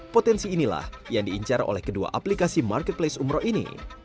potensi inilah yang diincar oleh kedua aplikasi marketplace umroh ini